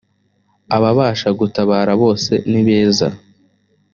ababasha gutabara bose nibeza